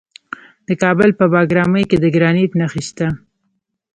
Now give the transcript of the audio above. د کابل په بګرامي کې د ګرانیټ نښې شته.